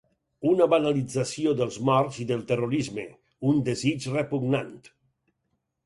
Una banalització dels morts i del terrorisme, un desig repugnant.